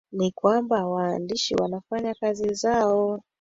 ni kwamba waandishi wanafanya kazi zao